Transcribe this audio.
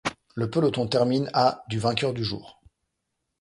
Le peloton termine à du vainqueur du jour.